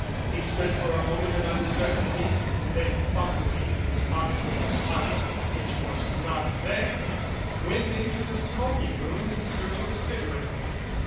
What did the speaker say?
He stood for a mo ment of uncertainty, and then fumbling in his pocket for his pipe, which was not there, went into the smoking room in search of a cigarette.